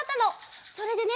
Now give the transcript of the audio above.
それでね